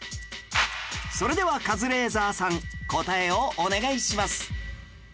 それではカズレーザーさん答えをお願いします